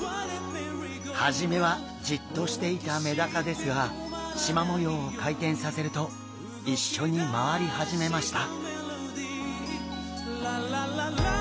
初めはジッとしていたメダカですがしま模様を回転させると一緒に回り始めました。